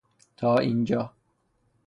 تا اینجا